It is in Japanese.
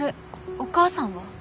お母さんは？